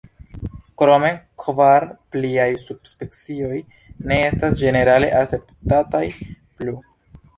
Krome kvar pliaj subspecioj ne estas ĝenerale akceptataj plu.